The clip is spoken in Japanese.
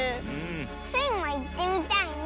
スイもいってみたいな！